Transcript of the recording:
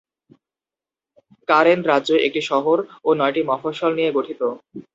Current রাজ্য একটি শহর ও নয়টি মফস্বল নিয়ে গঠিত।